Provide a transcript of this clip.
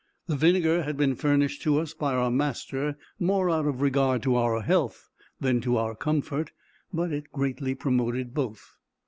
The vinegar had been furnished to us by our master, more out of regard to our health than to our comfort, but it greatly promoted both.